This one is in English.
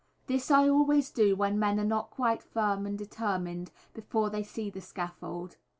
This I always do when men are not quite firm and determined, before they see the scaffold.